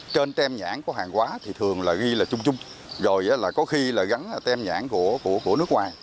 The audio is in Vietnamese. trên tem nhãn của hàng hóa thì thường là ghi là chung chung rồi có khi là gắn tem nhãn của nước ngoài